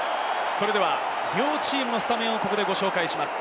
それでは両チームのスタメンをご紹介します。